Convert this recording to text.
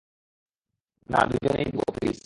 না, দুইজনেই দিব প্লিজ।